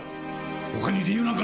他に理由なんかない！